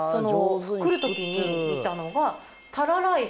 来る時に見たのが。